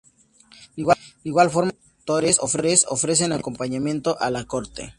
De igual forma los protectores ofrecen acompañamiento a la corte.